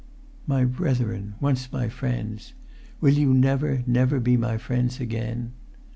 . "My brethren—once my friends—will you never, never be my friends again?